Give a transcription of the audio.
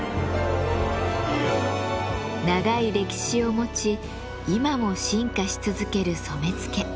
長い歴史を持ち今も進化し続ける染付。